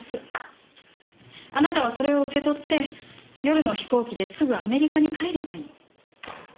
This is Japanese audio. あなたはそれを受け取って夜の飛行機ですぐアメリカに帰ればいい。